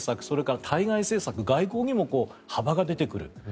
それから対外政策外交にも幅が出てくる。